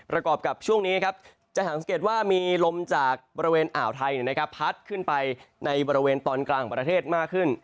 ระกอบกับช่วงนี้จะเห็นลมจากอาวไทยพัดขึ้นไปในบริเวณตอนกลางประเทศก็มากขึ้น